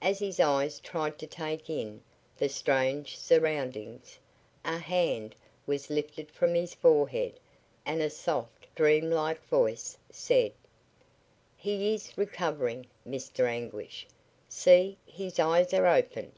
As his eyes tried to take in the strange surroundings, a hand was lifted from his forehead and a soft, dream like voice said: "He is recovering, Mr. Anguish. See, his eyes are open!